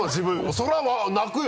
それは泣くよ